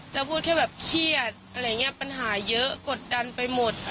จะพูดแค่เชียจปัญหาเยอะกดดันไปหมด